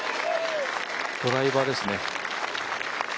ドライバーですね。